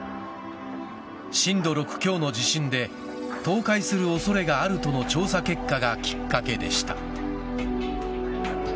震度６強の地震で倒壊する恐れがあるとの調査結果がきっかけでした。